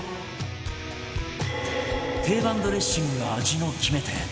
定番ドレッシングが味の決め手！